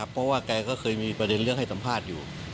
เพราะว่าแกก็เคยมีประเด็นเรื่องให้สัมภาษณ์อยู่